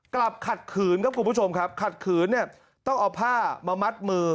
ขัดขืนครับคุณผู้ชมครับขัดขืนเนี่ยต้องเอาผ้ามามัดมือ